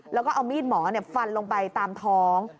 แล้วก็เอามีดหมอฟันลงไปตามท้อง